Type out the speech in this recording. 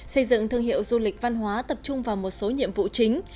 xây dựng thương hiệu du lịch văn hóa tập trung vào một số nhiệm vụ chính